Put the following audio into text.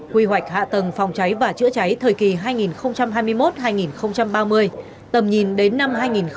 quy hoạch hạ tầng phòng cháy và chữa cháy thời kỳ hai nghìn hai mươi một hai nghìn ba mươi tầm nhìn đến năm hai nghìn năm mươi